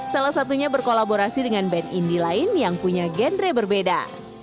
salah satunya berkolaborasi dengan band indi lain yang punya genre berbeda